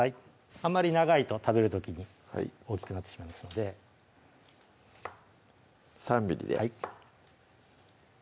あまり長いと食べる時に大きくなってしまいますので３ｍｍではい